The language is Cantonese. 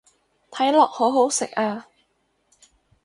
睇落好好食啊